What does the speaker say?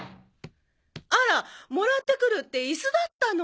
あらもらってくるってイスだったの。